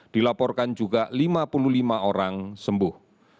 dilaporkan juga lima puluh lima orang sembuh